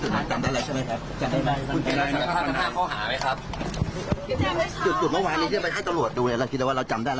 สุดท้ายเธอก้มหน้าก้มตายเงียบไม่พูดไม่ตอบเหมือนเดิมดูบรรยากาศช่วงนี้หน่อยค่ะ